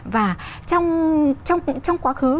và trong quá khứ